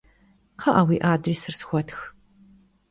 Kxhı'e, vui adrêsır sxuetx!